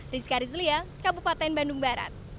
rizka rizlia kabupaten bandung barat